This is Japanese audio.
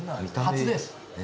初です。